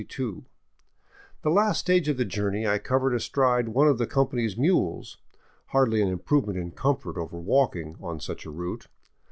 Tiie last stage of the journey I covered astride one of the company^s mules, hardly an improvement in comfort 5^ SKIRTING THE GRAN CHACO over walking, on such a route.